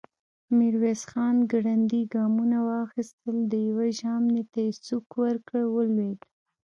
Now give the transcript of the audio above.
ميرويس خان ګړندي ګامونه واخيستل، د يوه ژامې ته يې سوک ورکړ، ولوېد.